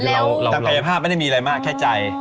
ทางกายภาพไม่ได้มีอะไรมากแค่ใจ